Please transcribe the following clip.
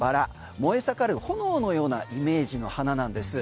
燃え盛る炎のようなイメージの花なんです。